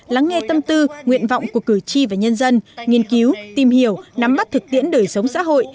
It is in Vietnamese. lắng nghe tâm tư nguyện vọng của cử tri và nhân dân nghiên cứu tìm hiểu nắm bắt thực tiễn đời sống xã hội